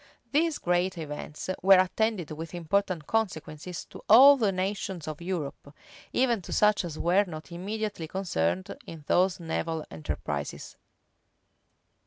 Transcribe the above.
These great events were attended with important consequences to all the nations of Europe, even to such as were not immediately concerned in those naval enterprises.